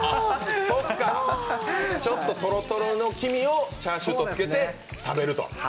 ちょっととろとろの黄身をチャーシューにつけて食べると。